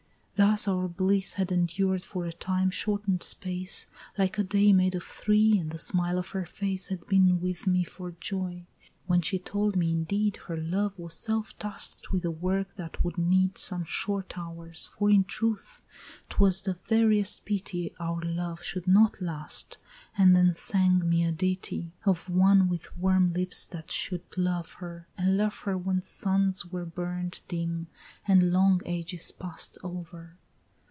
Thus our bliss had endured for a time shorten'd space, Like a day made of three, and the smile of her face Had been with me for joy, when she told me indeed Her love was self task'd with a work that would need Some short hours, for in truth 'twas the veriest pity Our love should not last, and then sang me a ditty, Of one with warm lips that should love her, and love her When suns were burnt dim and long ages past over.